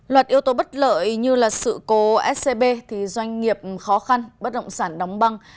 loạt yếu tố bất lợi như sự cố scb doanh nghiệp khó khăn bất động sản đóng băng